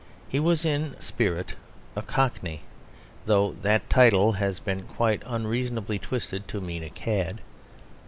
He was in spirit a Cockney; though that title has been quite unreasonably twisted to mean a cad.